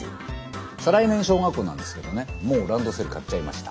再来年小学校なんですけどねもうランドセル買っちゃいました。